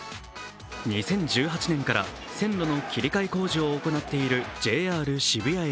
２０１８年から線路の切り替え工事を行っているＪＲ渋谷駅。